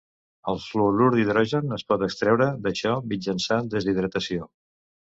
El fluorur d'hidrogen es pot extreure d'això mitjançant deshidratació.